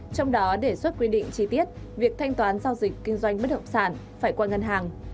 trong đó đề xuất quy định chi tiết việc thanh toán giao dịch kinh doanh bất động sản phải qua ngân hàng